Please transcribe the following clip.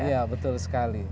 iya betul sekali